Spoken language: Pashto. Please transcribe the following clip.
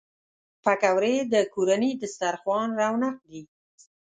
پکورې د کورني دسترخوان رونق دي